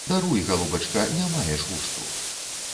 Даруй, галубачка, не маеш густу.